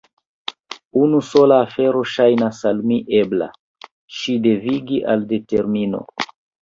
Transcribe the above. Unu sola afero ŝajnas al mi ebla: ŝin devigi al determino.